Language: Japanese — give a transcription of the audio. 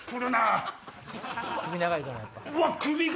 首長いから。